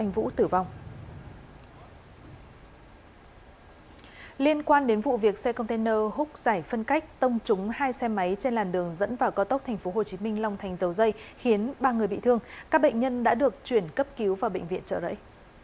vì việc xe container húc giải phân cách tông trúng hai xe máy trên làn đường dẫn vào cao tốc tp hcm long thành dầu dây khiến ba người bị thương các bệnh nhân đã được chuyển cấp cứu vào bệnh viện trợ rẫy